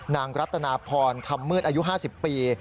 นางรัตนาพรคำมือดอายุ๕๐ปี